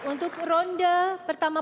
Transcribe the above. untuk ronde pertama